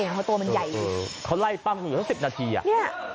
เพราะตัวมันใหญ่เออเออเขาไล่ปั้งอยู่ทั้งสิบนาทีอ่ะเนี่ย